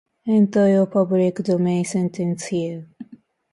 Enter your public domain sentence here